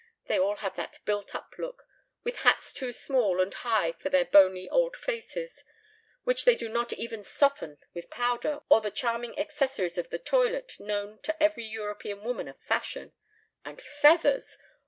They all have that built up look, with hats too small and high for their bony old faces, which they do not even soften with powder or the charming accessories of the toilet known to every European woman of fashion. And feathers!